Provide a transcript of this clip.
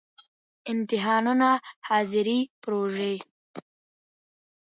امتحانونه، ،حاضری، پروژی